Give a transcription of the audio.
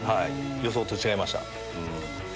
予想と違いました。